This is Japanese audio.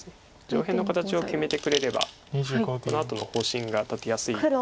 上辺の形を決めてくれればこのあとの方針が立てやすいので。